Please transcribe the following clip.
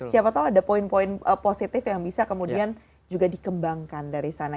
siapa tahu ada poin poin positif yang bisa kemudian juga dikembangkan dari sana